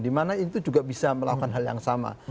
di mana itu juga bisa melakukan hal yang sama